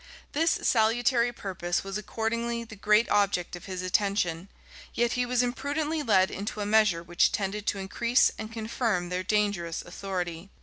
This salutary purpose was accordingly the great object of his attention; yet was he imprudently led into a measure which tended to increase and confirm their dangerous authority.